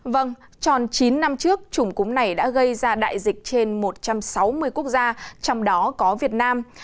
vâng tròn chín năm trước chủng cúm này đã gây ra đại dịch trên một trăm sáu mươi quốc gia trong đó có việt nam